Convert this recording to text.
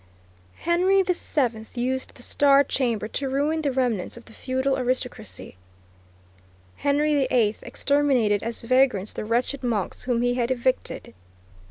Henry VII used the Star Chamber to ruin the remnants of the feudal aristocracy. Henry VIII exterminated as vagrants the wretched monks whom he had evicted.